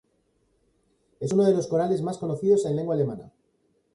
Es uno de los corales más conocidos en lengua alemana.